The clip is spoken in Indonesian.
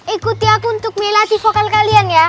ikuti aku untuk milasi vokal kalian ya